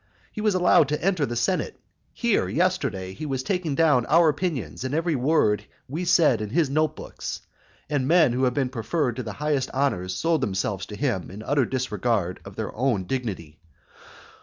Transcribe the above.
He was allowed to enter the senate, here yesterday he was taking down our opinions and every word we said in his note books, and men who had been preferred to the highest honours sold themselves to him in utter disregard of their own dignity.